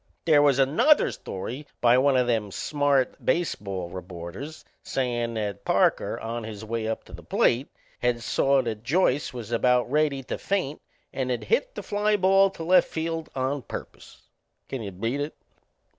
They was another story by one o' them smart baseball reporters sayin' that Parker, on his way up to the plate, had saw that Joyce was about ready to faint and had hit the fly ball to left field on purpose. Can you beat it?